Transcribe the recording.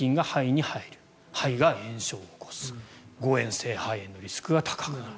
肺が炎症を起こす誤嚥性肺炎のリスクが高くなる。